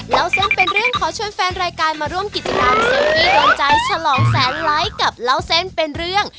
เล่าเส้นเป็นเรื่องขอชวนแฟนรายการมาร่วมกิจกรรมเซลฟี่โดนใจฉลองแสนไลค์กับเล่าเส้นเป็นเรื่อง